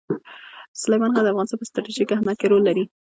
سلیمان غر د افغانستان په ستراتیژیک اهمیت کې رول لري.